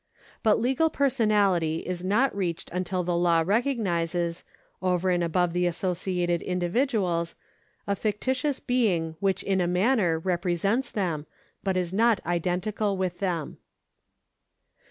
But legal personality is not reached until the law recognises, over and above the asso ciated individuals, a fictitious being which in a manner represents them, but is not identical with them.